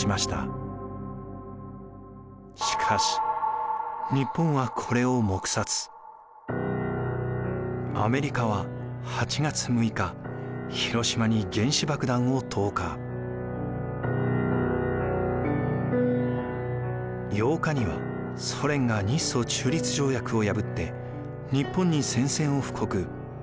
しかしアメリカは８月６日８日にはソ連が日ソ中立条約を破って日本に宣戦を布告。